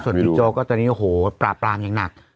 ส่วนบิ๊กโจ๊กก็ตอนนี้โอ้โหปราบปรามอย่างหนัก